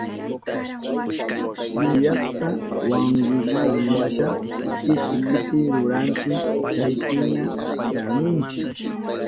Yuyuta wankushkanwasha piti piti ruranchi chaypiña yanunchi.